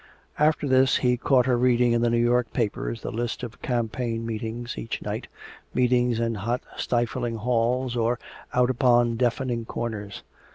After this he caught her reading in the New York papers the list of campaign meetings each night, meetings in hot stifling halls or out upon deafening corners.